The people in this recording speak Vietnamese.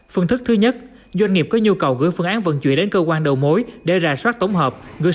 phương thức thứ nhất doanh nghiệp có nhu cầu gửi phương án vận chuyển đến cơ quan đầu mối để rà soát tổng hợp